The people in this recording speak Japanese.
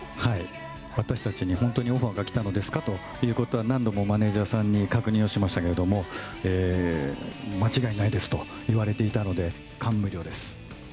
私たちに本当にオファーが来たのですか？ということは、何度もマネージャーさんに確認をしましたけれども、間違いないですと言われていたので、感無量です。